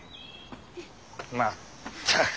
まったく。